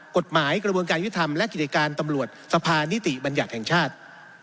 กระบวนการยุทธรรมและกิจการตำรวจสภานิติบัญญัติแห่งชาติ